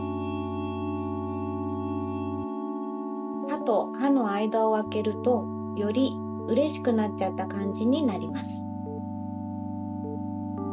はとはのあいだをあけるとよりうれしくなっちゃったかんじになります。